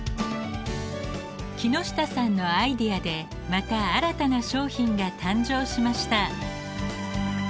木下さんのアイデアでまた新たな商品が誕生しました。